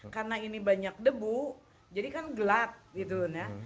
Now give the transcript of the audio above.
karena ini banyak debu jadi kan gelap gitu ya